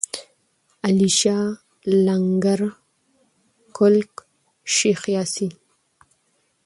علیشه، لنگر، کولک، شیخ یاسین.